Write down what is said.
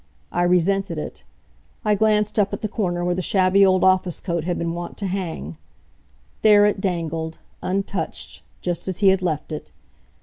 I resented it. I glanced up at the corner where the shabby old office coat had been wont to hang. There it dangled, untouched, just as he had left it.